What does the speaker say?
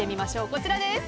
こちらです。